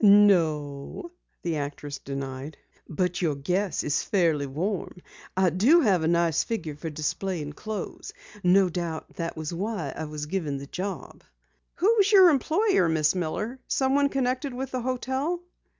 "No," the actress denied, "but your guess is fairly warm. I do have a nice figure for displaying clothes. No doubt that was why I was given the job." "Who is your employer, Miss Miller? Someone connected with the hotel?"